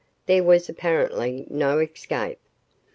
There was apparently no escape.